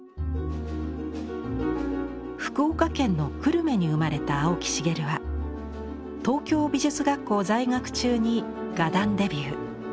福岡県の久留米に生まれた青木繁は東京美術学校在学中に画壇デビュー。